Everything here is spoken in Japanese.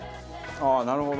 あっなるほど！